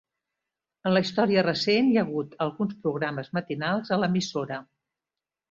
En la història recent hi ha hagut alguns programes matinals a l'emissora.